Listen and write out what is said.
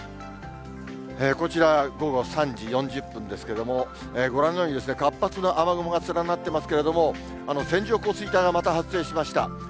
こちら、午後３時４０分ですけれども、ご覧のように、活発な雨雲が連なっていますけれども、線状降水帯がまた発生しました。